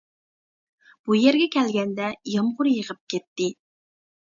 بۇ يەرگە كەلگەندە يامغۇر يېغىپ كەتتى.